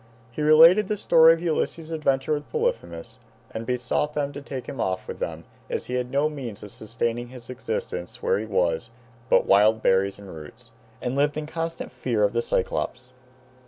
He related the story of Ulysses's adventure with Polyphemus, and besought them to take him off with them as he had no means of sustaining his existence where he was but wild berries and roots, and lived in constant fear of the Cyclopes.